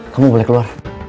kamu boleh keluar